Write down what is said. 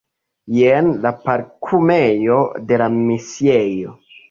Jen la parkumejo de la misiejo.